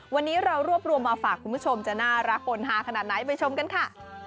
วันนี้เรารวบรวมมาฝากคุณผู้ชมจะน่ารักปนฮาขนาดไหนไปชมกันค่ะ